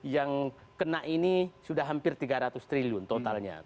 yang kena ini sudah hampir tiga ratus triliun totalnya